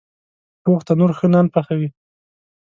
پوخ تنور ښه نان پخوي